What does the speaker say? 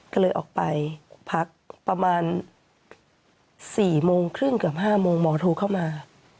ก็เลยออกไปพักประมาณ๔โมงครึ่งเกือบ๕โมงหมอโทรเข้ามา